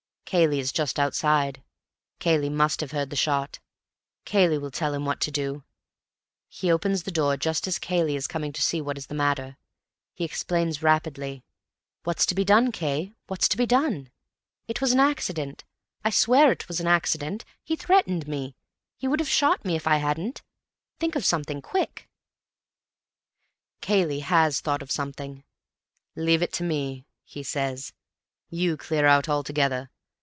"Cayley is just outside, Cayley must have heard the shot, Cayley will tell him what to do. He opens the door just as Cayley is coming to see what is the matter. He explains rapidly. 'What's to be done, Cay? What's to be done? It was an accident. I swear it was an accident. He threatened me. He would have shot me if I hadn't. Think of something, quick!' "Cayley has thought of something. 'Leave it to me,' he says. 'You clear out altogether.